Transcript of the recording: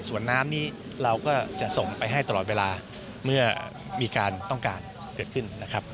ส่วนน้ำนี้เราก็จะส่งไปให้ตลอดเวลาเมื่อมีการต้องการเกิดขึ้นนะครับ